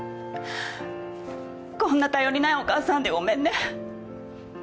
こんな頼りないお母さんでごめんね。